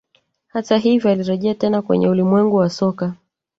Hata hivyo alirejea tena kwenye ulimwengu wa soka